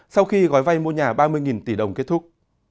sau khi gói vay mua nhà ba mươi tỷ đồng kết thúc